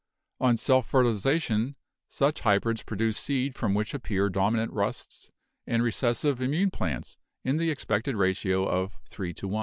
On self fertilization such hy brids produce seed from which appear dominant 'rusts' and recessive immune plants in the expected ratio of 3 : 1.